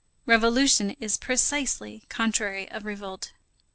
Revolution is precisely the contrary of revolt.